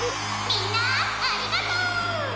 「みんなありがとう！」。